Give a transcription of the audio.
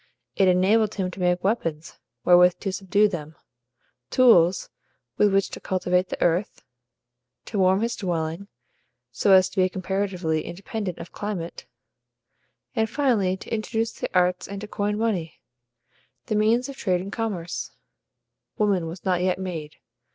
It enabled him to make weapons wherewith to subdue them; tools with which to cultivate the earth; to warm his dwelling, so as to be comparatively independent of climate; and finally to introduce the arts and to coin money, the means of trade and commerce. Woman was not yet made.